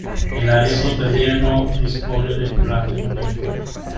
El área protegida no dispone de plan de manejo.